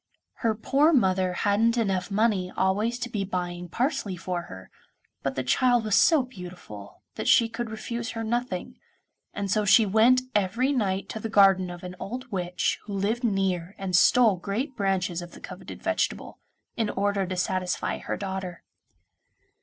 Her poor mother hadn't enough money always to be buying parsley for her, but the child was so beautiful that she could refuse her nothing, and so she went every night to the garden of an old witch who lived near and stole great branches of the coveted vegetable, in order to satisfy her daughter.